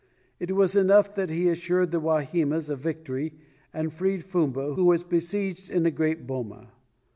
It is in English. It was enough that he assured the Wahimas a victory and freed Fumba, who was besieged in a great boma.